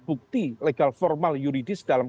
bukti legal formal yuridis dalam